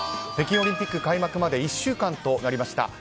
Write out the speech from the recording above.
北京オリンピック開幕まで１週間となりました。